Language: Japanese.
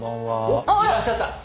おっいらっしゃった。